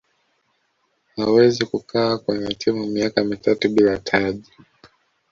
hawezi kukaaa kwenye timu miaka mitatu bila taji